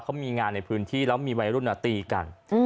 เขามีงานในพื้นที่แล้วมีวัยรุ่นตีกัน